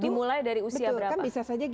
dimulai dari usia berapa